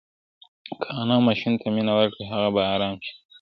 که انا ماشوم ته مینه ورکړي هغه به ارام شي.